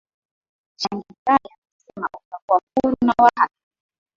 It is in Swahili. shangirai amesema utakuwa huru na wa haki